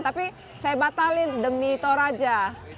tapi saya batalin demi toraja